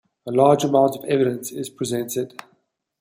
A large amount of "evidence" is presented.